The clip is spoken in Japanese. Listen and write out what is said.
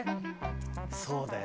そうだよね。